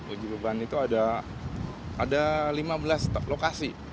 uji beban itu ada lima belas lokasi